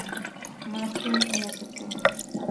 Martin y St.